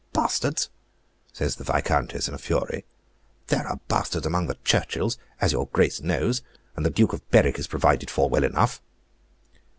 "Bastards!" says the Viscountess, in a fury. "There are bastards among the Churchills, as your Grace knows, and the Duke of Berwick is provided for well enough."